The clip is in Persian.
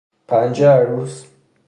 پنجه عروس